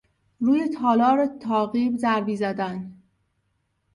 روی تالار تاقی ضربی زدن